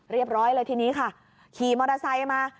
เรียบร้อยเลยทีนี้ค่ะขี่มอเตอร์ไซค์มา